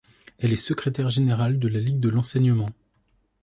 Elle est secrétaire générale de la Ligue de l'enseignement.